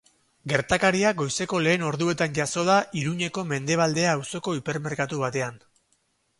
Gertakaria goizeko lehen orduetan jazo da Iruñeko Mendebaldea auzoko hipermerkatu batean.